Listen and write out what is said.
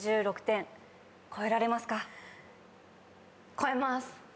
超えます。